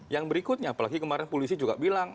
yang berikutnya apalagi kemarin polisi juga bilang